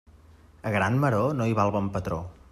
A gran maror no hi val bon patró.